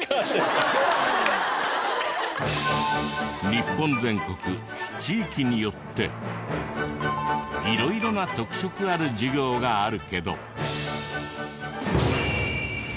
日本全国地域によって色々な特色ある授業があるけど。